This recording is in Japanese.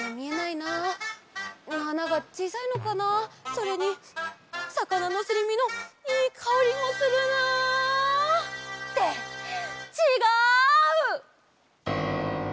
それにさかなのすりみのいいかおりもするな。ってちがう！